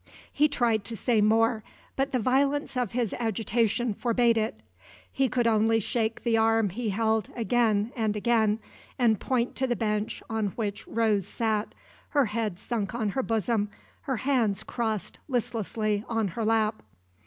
He tried to say more, but the violence of his agitation forbade it. He could only shake the arm he held again and again, and point to the bench on which Rose sat her head sunk on her bosom, her hands crossed listlessly on her lap.